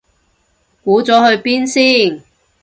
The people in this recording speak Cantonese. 估咗去邊先